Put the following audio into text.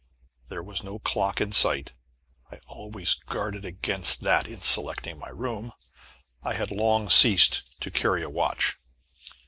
There was no clock in sight I always guarded against that in selecting my room. I had long ceased to carry a watch.